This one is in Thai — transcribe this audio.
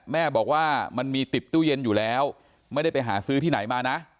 แม่บอกว่ามันมีติดตู้เย็นอยู่แล้วไม่ได้ไปหาซื้อที่ไหนมานะ